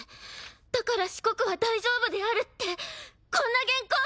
「だから四国は大丈夫である」ってこんな原稿！